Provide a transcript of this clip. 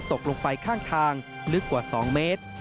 ตกลงไปข้างทางลึกกว่า๒เมตร